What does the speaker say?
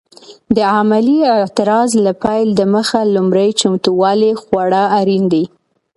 د عملي اعتراض له پیل دمخه لومړني چمتووالي خورا اړین دي.